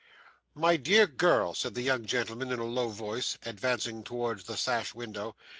'My dear girl,' said the young gentleman in a low voice, advancing towards the sash window.